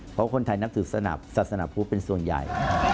เพราะคนไทยนับสื่อสนับศาสนภูปเป็นส่วนใหญ่